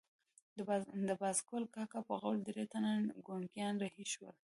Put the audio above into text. د بازګل کاکا په قول درې تنه ګونګیان رهي شول.